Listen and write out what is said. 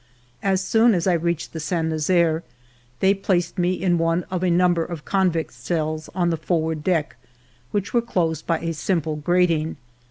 As soon as I reached the Saint Nazaire, they placed me in one of a number of convicts' cells on the forward deck, which were closed by a simple grat ing.